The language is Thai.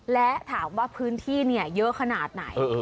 และถามว่าพื้นที่เยอะขนาดไหน